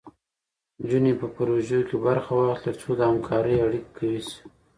نجونې په پروژو کې برخه واخلي، تر څو د همکارۍ اړیکې قوي شي.